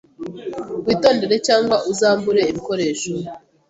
Witondere cyangwa uzambure ibikoresho.